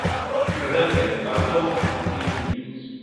Kredeble mi baldaŭ edziniĝos.